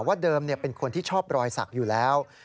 ว่าเดิมเป็นคนที่ชอบรอยสักอยู่แล้ว